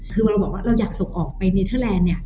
คือพอเราบอกว่าเราอยากส่งออกไปเนเทอร์แลนด์เนี่ย